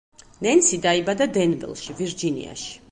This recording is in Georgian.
ნენსი დაიბადა დენვილში, ვირჯინიაში.